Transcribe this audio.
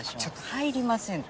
入りませんって。